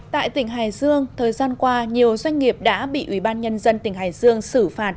tại tỉnh hải dương thời gian qua nhiều doanh nghiệp đã bị ủy ban nhân dân tỉnh hải dương xử phạt